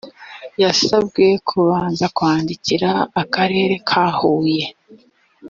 yasabwe kubanza kwandikira akarere ka huye